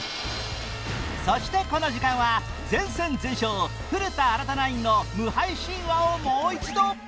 そしてこの時間は全戦全勝古田新太ナインの無敗神話をもう一度